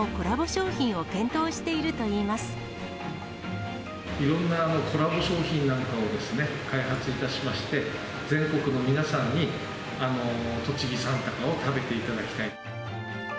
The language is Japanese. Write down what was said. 商品なんかを開発いたしまして、全国の皆さんに、栃木三鷹を食べていただきたい。